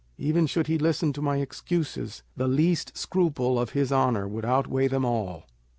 Even should he listen to my excuses, the least scruple of his honour would outweigh them all.